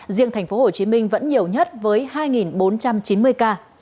riêng thành phố hồ chí minh vẫn nhiều nhất với hai bốn trăm chín mươi ca